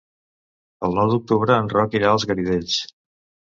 El nou d'octubre en Roc irà als Garidells.